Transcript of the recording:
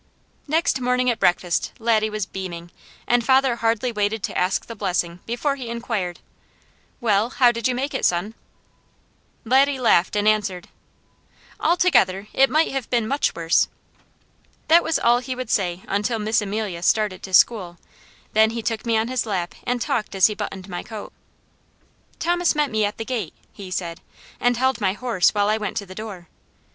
Next morning at breakfast Laddie was beaming, and father hardly waited to ask the blessing before he inquired: "Well, how did you make it, son?" Laddie laughed and answered: "Altogether, it might have been much worse." That was all he would say until Miss Amelia started to school, then he took me on his lap and talked as he buttoned my coat. "Thomas met me at the gate," he said, "and held my horse while I went to the door.